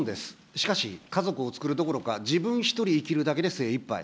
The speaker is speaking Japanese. しかし、家族を作るどころか、自分一人生きるだけで精いっぱい。